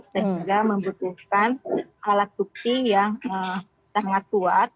sehingga membutuhkan alat bukti yang sangat kuat